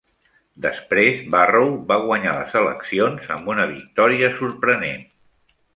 Després, Barrow va guanyar les eleccions amb una victòria sorprenent.